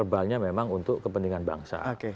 bebannya memang untuk kepentingan bangsa